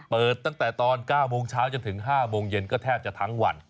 เปิดตั้งแต่ตอน๙โมงเช้าจนถึง๕โมงเย็นก็แทบจะทั้งวัน